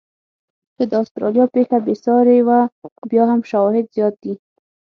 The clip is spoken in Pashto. که د استرالیا پېښه بې ساري وه، بیا هم شواهد زیات دي.